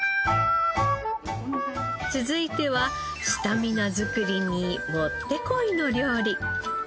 続いてはスタミナ作りにもってこいの料理。